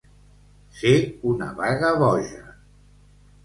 Ser una baga boja.